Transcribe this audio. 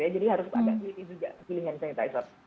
jadi harus agak teliti juga